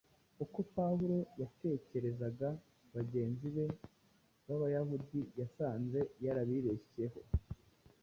Uko Pawulo yatekerezaga bagenzi be b’Abayahudi, yasanze yarabibeshyeho;